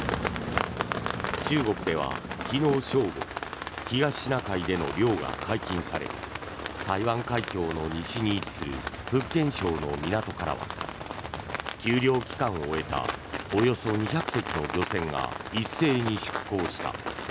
中国では昨日正午東シナ海での漁が解禁され台湾海峡の西に位置する福建省の港からは休漁期間を終えたおよそ２００隻の漁船が一斉に出港した。